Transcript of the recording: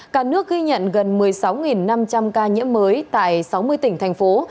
cả nước ghi nhận gần một mươi sáu năm trăm linh ca nhiễm mới tại sáu mươi tỉnh thành phố